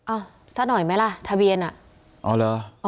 อ้าวสักหน่อยไหมล่ะทะเบียนอ่ะอ๋อเหรออ๋อ